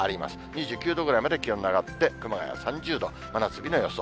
２９度ぐらいまで気温が上がって、熊谷は３０度、真夏日の予想。